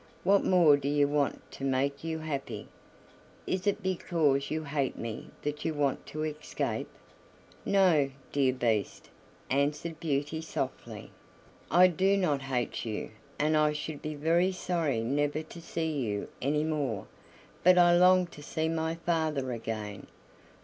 What more do you want to make you happy? Is it because you hate me that you want to escape?" "No, dear Beast," answered Beauty softly, "I do not hate you, and I should be very sorry never to see you any more, but I long to see my father again.